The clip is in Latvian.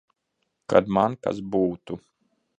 Kad man kas būtu.